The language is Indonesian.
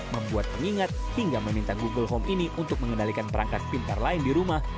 membuat pengingat hingga meminta google home ini untuk mengendalikan perangkat pintar lain di rumah